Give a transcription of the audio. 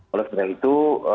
oleh karena itu